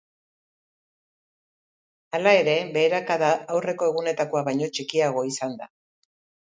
Hala ere, beherakada aurreko egunetakoa baino txikiagoa izan da.